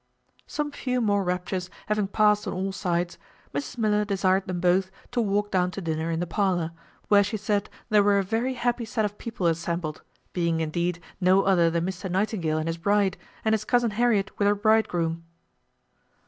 Some few more raptures having passed on all sides, Mrs Miller desired them both to walk down to dinner in the parlour, where she said there were a very happy set of people assembled being indeed no other than Mr Nightingale and his bride, and his cousin Harriet with her bridegroom.